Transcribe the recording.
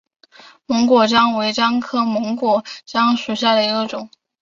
檬果樟为樟科檬果樟属下的一个种。